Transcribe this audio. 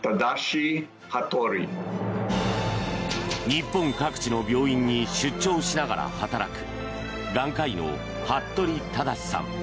日本各地の病院に出張しながら働く眼科医の服部匡志さん。